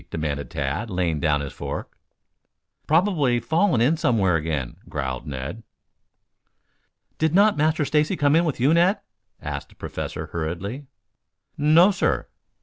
demanded Tad, laying down his fork. "Probably fallen in somewhere again," growled Ned. "Did not Master Stacy come in with you, Ned?" asked the Professor hurriedly. "No, sir."